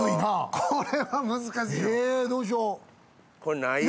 これは難しいよ。